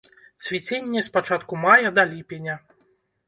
Цвіценне з пачатку мая да ліпеня.